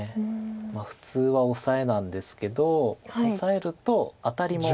普通はオサエなんですけどオサえるとアタリも。